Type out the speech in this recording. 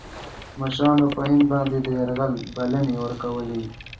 مشـرانو پر هند باندي د یرغل بلني ورکولې.